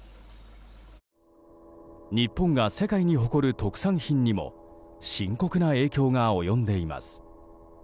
日本が世界に誇る特産品にも深刻な影響が及んでいます。